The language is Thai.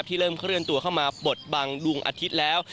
เริ่มเคลื่อนตัวเข้ามาบดบังดวงอาทิตย์แล้ว